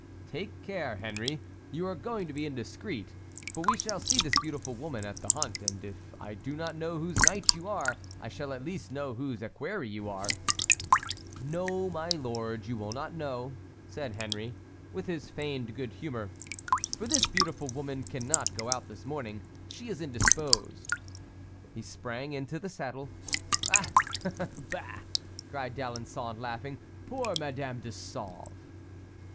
"Take care, Henry; you are going to be indiscreet, for we shall see this beautiful woman at the hunt; and if I do not know whose knight you are, I shall at least know whose equerry you are." "No, my lord, you will not know," said Henry, with his feigned good humor, "for this beautiful woman cannot go out this morning; she is indisposed." He sprang into the saddle. "Ah, bah!" cried d'Alençon, laughing; "poor Madame de Sauve."